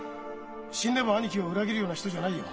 死んでも兄貴を裏切るような人じゃないよ。